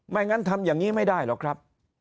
งั้นทำอย่างนี้ไม่ได้หรอกครับ